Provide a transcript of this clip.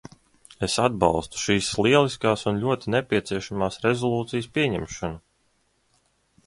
Es atbalstu šīs lieliskās un ļoti nepieciešamās rezolūcijas pieņemšanu.